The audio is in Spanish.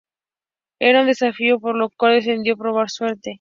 Era un desafío, por lo que decidió probar suerte.